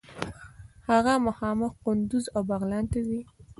هغه مخامخ قندوز او بغلان ته ځي.